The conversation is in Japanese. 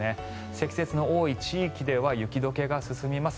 積雪の多い地域では雪解けが進みます。